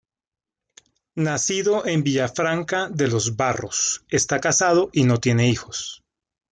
Nacido en Villafranca de los Barros, está casado y no tiene hijos.